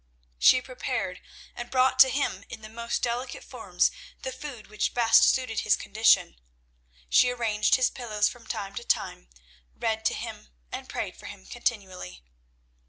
She prepared and brought to him in the most delicate forms the food which best suited his condition. She arranged his pillows from time to time, read to him, and prayed for him continually.